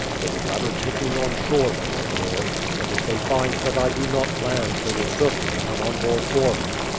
They would rather take me on shore than on board, but if they find that I do not land they will certainly come on board for me.